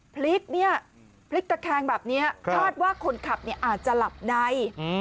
พลิกเนี่ยพลิกตะแคงแบบนี้คาดว่าคนขับอาจจะหลับใน